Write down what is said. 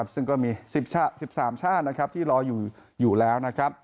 ซึ่งก็มี๑๓ชาติที่รออยู่แล้ว